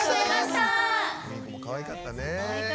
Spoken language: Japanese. ウインクもかわいかったね。